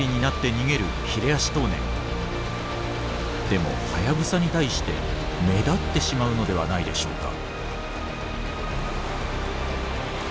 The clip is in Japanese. でもハヤブサに対して目立ってしまうのではないでしょうか。